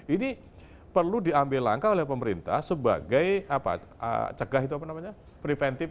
ini perlu diambil langkah oleh pemerintah sebagai cegah preventif